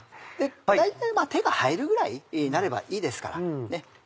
大体手が入るぐらいになればいいですから。